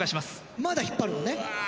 まだ引っ張るのね？